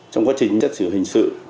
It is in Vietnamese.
trong quá trình chất xử hình sự